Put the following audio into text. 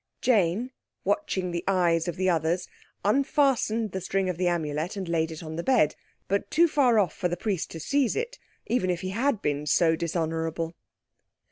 Jane watching the eyes of the others, unfastened the string of the Amulet and laid it on the bed, but too far off for the Priest to seize it, even if he had been so dishonourable.